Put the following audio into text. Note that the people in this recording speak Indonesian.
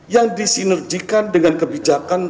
yang disinergikan dengan kebijakan